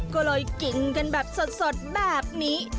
ก็เลยกินกันแบบสดแบบนี้